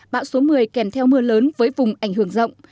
bão số một mươi kèm theo mưa lớn với vùng ảnh hưởng rộng